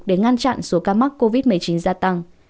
để ngăn chặn số ca mắc covid một mươi chín gia tăng